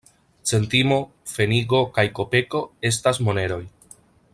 Centimo, pfenigo kaj kopeko estas moneroj.